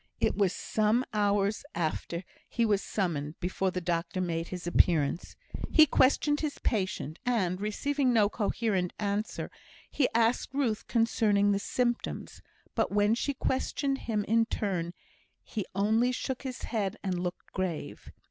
It was some hours after he was summoned before the doctor made his appearance. He questioned his patient, and, receiving no coherent answers, he asked Ruth concerning the symptoms; but when she questioned him in turn he only shook his head and looked grave.